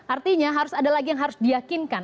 artinya ada lagi yang harus diakinkan